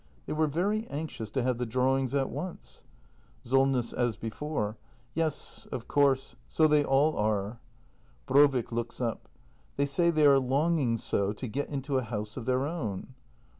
] They were very anxious to have the drawings at once. Solness. [As before.] Yes, of course — so they all are. Brovik. [Looks up.] They say they are longing so to get into a house of their own.